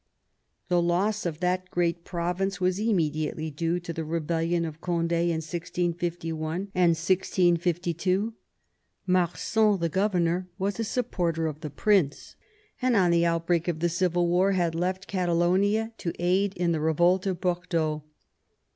The loss of that great province was immediately due to the rebellion of Cond^ in 1651 and 1652. Marsin, the governor, was a supporter of the prince, and on the outbreak of the civil war had left Catalonia to aid in the revolt of Bordeaux.